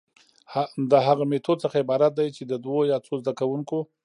د هغه ميتود څخه عبارت دي چي د دوو يا څو زده کوونکو،